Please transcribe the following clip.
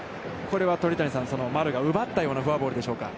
これは鳥谷さん、丸が奪ったようなフォアボールでしょうか。